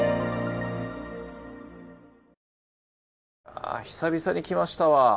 ああ久々に来ましたわ。